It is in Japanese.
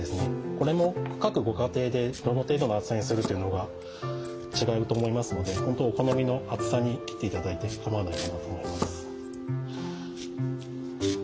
これも各ご家庭でどの程度の厚さにするというのが違うと思いますのでほんとお好みの厚さに切っていただいてかまわないと思います。